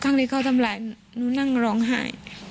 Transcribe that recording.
ที่เขาทำร้ายหนูนั่งร้องไห้